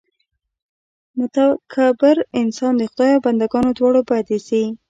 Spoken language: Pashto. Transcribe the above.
متکبر انسان د خدای او بندګانو دواړو بد اېسي.